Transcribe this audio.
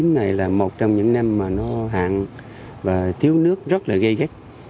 năm hai nghìn một mươi chín này là một trong những năm mà nó hạn và thiếu nước rất là gây ghét